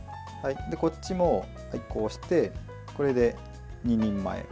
こっちもこうして、これで２人前。